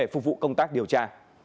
để phục vụ công tác điều tra